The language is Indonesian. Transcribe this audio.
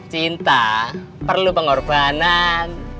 cinta perlu pengorbanan